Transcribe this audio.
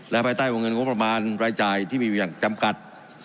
และภายใต้วงเงินงบประมาณรายจ่ายที่มีอยู่อย่างจำกัด